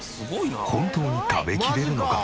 本当に食べきれるのか？